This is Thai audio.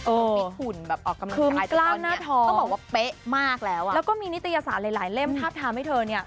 เออคืมกล้ามหน้าทองต้องบอกว่าเป๊ะมากแล้วแล้วก็มีนิตยศาสตร์หลายเล่มถ้าถามให้เธอเนี่ย